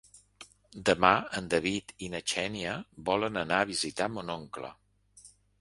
Demà en David i na Xènia volen anar a visitar mon oncle.